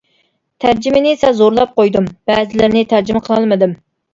تەرجىمىنى سەل زورلاپ قويدۇم، بەزىلىرىنى تەرجىمە قىلالمىدىم.